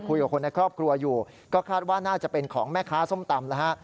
คุยกับคนในครอบครัวอยู่ก็คาดว่าน่าจะเป็นของแม่ค้าส้มตำแล้วฮะ